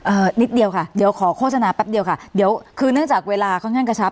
นิดเดียวค่ะเดี๋ยวขอโฆษณาแป๊บเดียวค่ะเดี๋ยวคือเนื่องจากเวลาค่อนข้างกระชับ